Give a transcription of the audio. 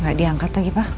gak diangkat lagi pak